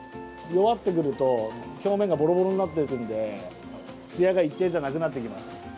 弱ってくると表面がボロボロになっていくのでつやが一定じゃなくなってきます。